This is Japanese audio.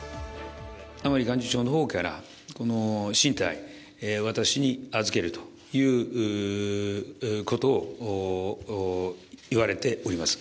甘利幹事長のほうから、この進退、私に預けるということを言われております。